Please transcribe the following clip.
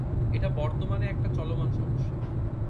এটা বর্তমানে একটা চলমান সমস্যা।